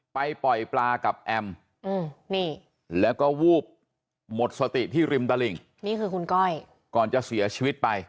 ไปปล่อยปลากับแอมนี่แล้วก็วูบหมดสติที่ริมตลิ่งนี่คือคุณก้อยก่อนจะเสียชีวิตไป